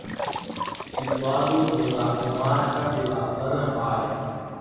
Situado en la comarca de la Plana Baja.